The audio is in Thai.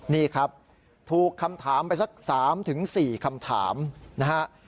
นี่ครับถูกคำถามไปสัก๓๔คำถามนะฮะ